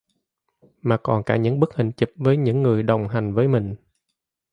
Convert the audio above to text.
Mà còn cả những bức hình chụp với những người đồng hành với mình